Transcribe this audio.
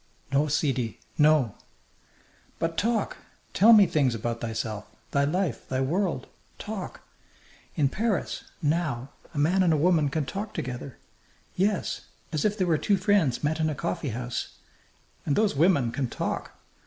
"No, sidi, no." "But talk! Tell me things about thyself, thy life, thy world. Talk! In Paris, now, a man and a woman can talk together yes as if they were two friends met in a coffeehouse. And those women can talk!